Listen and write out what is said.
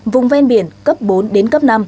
vùng ven biển cấp bốn đến cấp năm